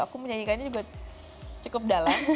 aku menyanyikannya juga cukup dalam